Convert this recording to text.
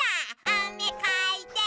「あめかいて」